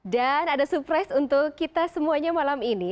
dan ada surprise untuk kita semuanya malam ini